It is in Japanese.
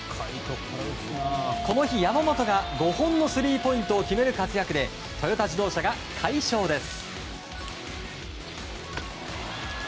この日、山本が５本のスリーポイントを決める活躍でトヨタ自動車が快勝です。